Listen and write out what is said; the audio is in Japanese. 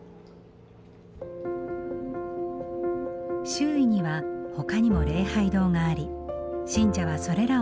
周囲にはほかにも礼拝堂があり信者はそれらを巡っていきます。